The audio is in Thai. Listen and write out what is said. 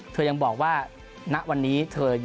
เธอยังบอกว่าณวันนี้เธอ